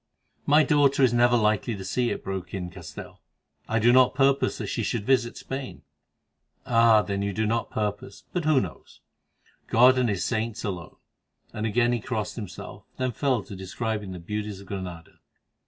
"My daughter is never likely to see it," broke in Castell; "I do not purpose that she should visit Spain." "Ah! you do not purpose; but who knows? God and His saints alone," and again he crossed himself, then fell to describing the beauties of Granada.